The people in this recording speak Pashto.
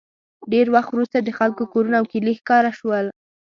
ډېر وخت وروسته د خلکو کورونه او کلي ښکاره شول